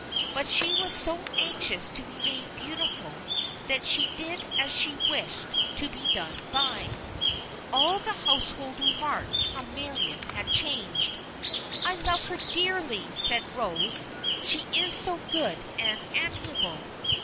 But she was so anxious to be made beautiful that she did as she wished to be done by· All the household remarked how Marion had changed. "I love her dearly!" said Rose; "she is so good and amiable."